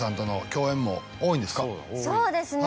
そうですね